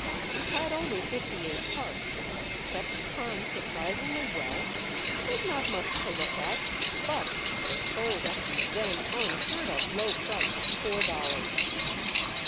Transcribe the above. It had only fifty eight parts, kept time surprisingly well, was not much to look at, but was sold at the then unheard of low price of four dollars.